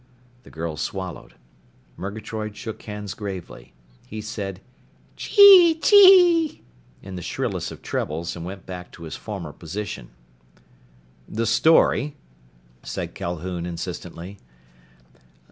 The girl swallowed. Murgatroyd shook hands gravely. He said, "Chee chee!" in the shrillest of trebles and went back to his former position. "The story?" said Calhoun insistently.